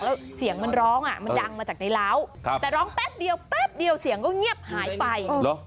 แล้วเสียงมันร้องอ่ะมันดังมาจากในร้าวแต่ร้องแป๊บเดียวแป๊บเดียวเสียงก็เงียบหายไป